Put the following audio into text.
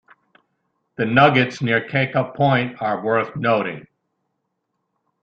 The Nuggets near Kaka Point are worth noting.